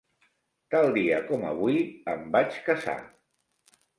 Tal dia com avui em vaig casar.